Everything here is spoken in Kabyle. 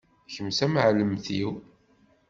Kem d tamɛellemt-iw.